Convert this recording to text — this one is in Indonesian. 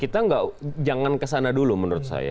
kita jangan kesana dulu menurut saya